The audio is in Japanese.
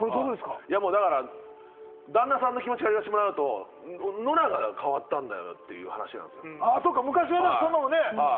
旦那さんの気持ちから言わせてもらうと、ノラが変わったんだよという話。